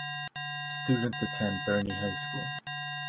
Students attend Bernie High School.